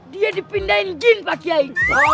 dia dipindahin jin pak kiai